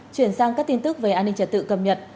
chuyển sang các tin tức về an ninh trật tự cập nhật